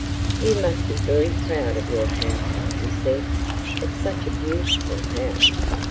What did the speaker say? "You must be very proud of your house," he said, "it's such a beautiful house.